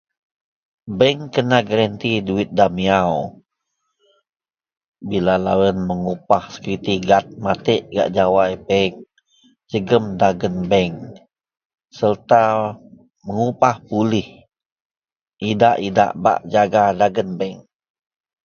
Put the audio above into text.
Bank kena granti duit da miyau bila lo yian mengupah lo security guard gak jawai bank jegam gak dagen bank serta mengupah polis idak-idak bak jaga dagen bank.